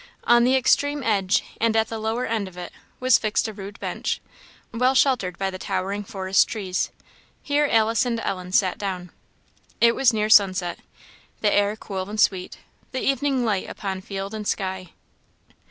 On the extreme edge, and at the lower end of it, was fixed a rude bench, well sheltered by the towering forest trees. Here Alice and Ellen sat down. It was near sunset; the air cool and sweet; the evening light upon field and sky.